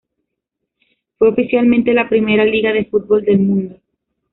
Fue oficialmente la primera liga de fútbol del mundo.